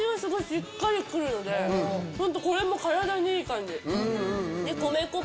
しっかりくるので、本当これも体にいい感じ。